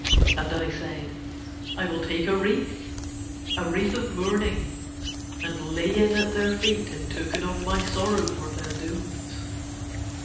And I said: I will take a wreath, a wreath of mourning, and lay it at their feet in token of my sorrow for their dooms.